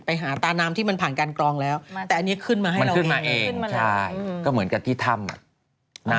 ไปหาตาน้ำที่มันผ่านการกรองแล้วแต่อันนี้ขึ้นมาให้เราเองมันขึ้นมาเองมันขึ้นมาเอง